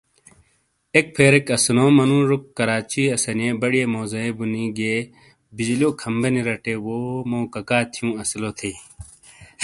ایک پھیریک اسونو منُوجوک کراچی اسانیئے بڈیئیے موزائیے بُونی گیئے بجلیو کھمبہ نی رٹے وو مو ککا تھیوں اسیلو تھی۔